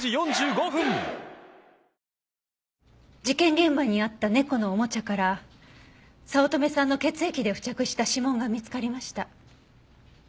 事件現場にあった猫のおもちゃから早乙女さんの血液で付着した指紋が見つかりました。